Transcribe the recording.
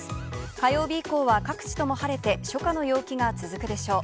火曜日以降は各地とも晴れて、初夏の陽気が続くでしょう。